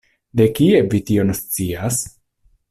De kie vi tion scias?